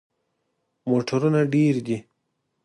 موټرونه ډیر دي